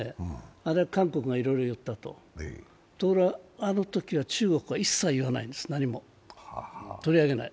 あれは韓国がいろいろ言ったと、ところがあのときは中国は一切何も言わないんですよ、取り上げない。